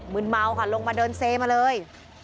ืนเมาค่ะลงมาเดินเซมาเลย